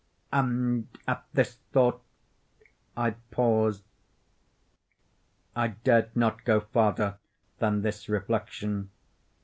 And at this thought I paused. I dared not go farther than this reflection.